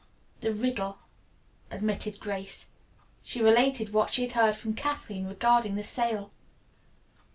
"The Riddle," admitted Grace. She related what she had heard from Kathleen regarding the sale.